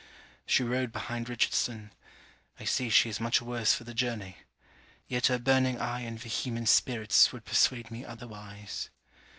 She rode behind Richardson. I see she is much worse for the journey; yet her burning eye and vehement spirits would persuade me otherwise.